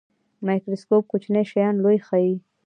مایکروسکوپ کوچني شیان لوی ښيي